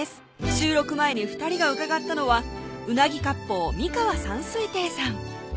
収録前に２人が伺ったのはうなぎ割烹みかわ三水亭さん